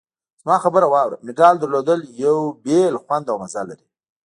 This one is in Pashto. زما خبره واوره! مډال درلودل یو بېل خوند او مزه لري.